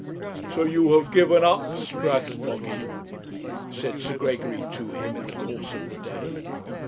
'So you have given up Strathbogy?' said Sir Gregory to him, in the course of the day.